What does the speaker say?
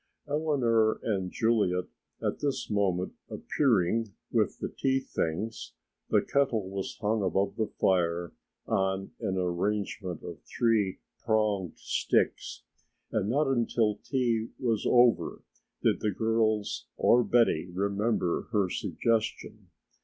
Eleanor and Juliet at this moment appearing with the tea things, the kettle was hung above the fire on an arrangement of three pronged sticks and not until tea was over did the girls or Betty remember her suggestion.